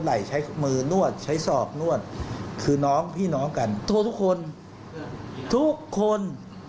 ไหล่ใช้มือนวดใช้ศอกนวดคือน้องพี่น้องกันโทรทุกคนทุกคน